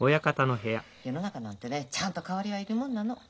世の中なんてねちゃんと代わりがいるもんなの。